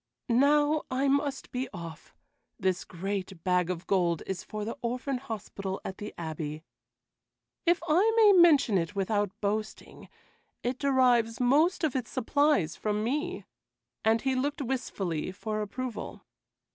"Now I must be off. This great bag of gold is for the orphan hospital at the Abbey. If I may mention it without boasting, it derives most of its supplies from me," and he looked wistfully for approval.